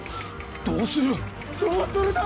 どうするだぁ！？